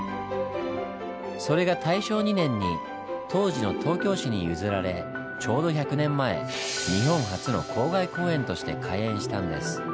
それが大正２年に当時の東京市に譲られちょうど１００年前日本初の郊外公園として開園したんです。